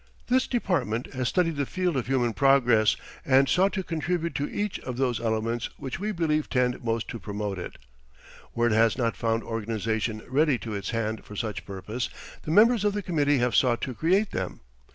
This department has studied the field of human progress, and sought to contribute to each of those elements which we believe tend most to promote it. Where it has not found organizations ready to its hand for such purpose, the members of the committee have sought to create them.